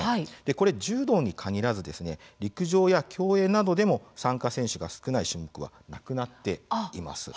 これは柔道に限らず陸上や競泳などでも参加選手が少ない種目はなくなっています。